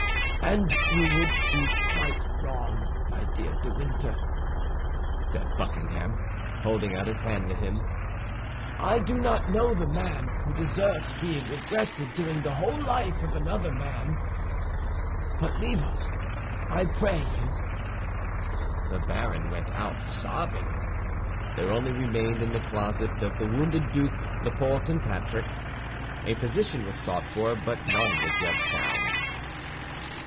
"And you would be quite wrong, my dear De Winter," said Buckingham, holding out his hand to him. "I do not know the man who deserves being regretted during the whole life of another man; but leave us, I pray you." The baron went out sobbing. There only remained in the closet of the wounded duke Laporte and Patrick. A physician was sought for, but none was yet found.